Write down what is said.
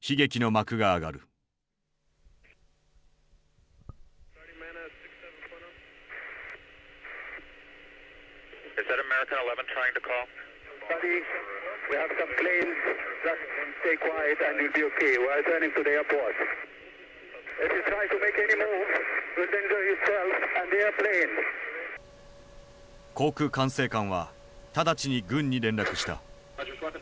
航空管制官は直ちに軍に連絡した。